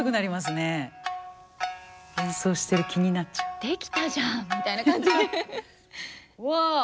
すごい！「できたじゃん」みたいな感じ。